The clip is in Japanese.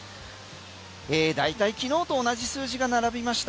だいたい昨日と同じ数字が並びました。